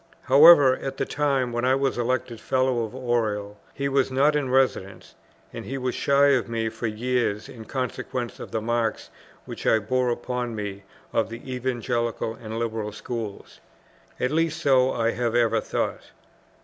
However, at the time when I was elected Fellow of Oriel he was not in residence, and he was shy of me for years in consequence of the marks which I bore upon me of the evangelical and liberal schools. At least so I have ever thought.